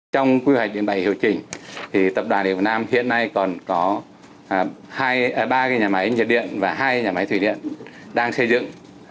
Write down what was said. trong quy hoạch điện bày điều chỉnh tập đoàn điện quảng nam hiện nay còn có ba nhà máy nhiệt điện và hai nhà máy thủy điện đang xây dựng